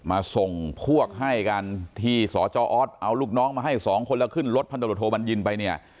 มาส่งพวกให้กันที่สอเอาลูกน้องมาให้๒คนละขึ้นรถพันธมธโมโทบัญญินไปเนี่ย